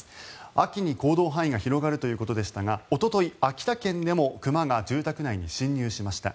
秋に行動範囲が広がるということでしたがおととい、秋田県でも熊が住宅内に侵入しました。